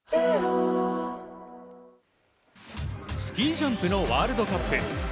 ＪＴスキージャンプのワールドカップ。